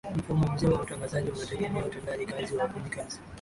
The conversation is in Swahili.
mfumo mzima wa utangazaji unategemea utendaji kazi wa wafanya kazi